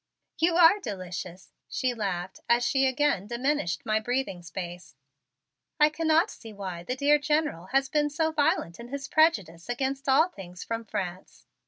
"You are delicious," she laughed as she again diminished my breathing space. "I cannot see why the dear General has been so violent in his prejudice against all things from France.